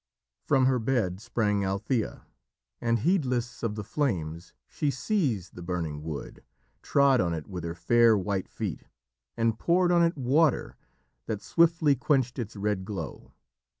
From her bed sprang Althæa, and, heedless of the flames, she seized the burning wood, trod on it with her fair white feet, and poured on it water that swiftly quenched its red glow.